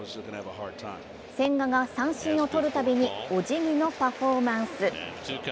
千賀が三振をとるたびにお辞儀のパフォーマンス。